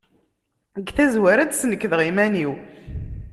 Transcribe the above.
Deg tazwara ad d-snekdeɣ iman-iw.